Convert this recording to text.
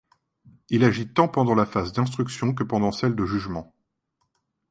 Il agit tant pendant la phase d'instruction que pendant celle de jugement.